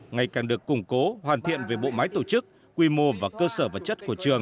ngày càng được củng cố hoàn thiện về bộ máy tổ chức quy mô và cơ sở vật chất của trường